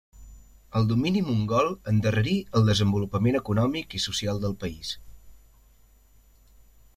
El domini mongol endarrerí el desenvolupament econòmic i social del país.